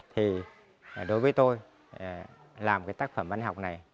thì đối với tôi làm cái tác phẩm văn học này